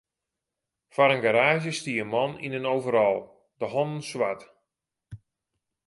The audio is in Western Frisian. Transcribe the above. Foar in garaazje stie in man yn in overal, de hannen swart.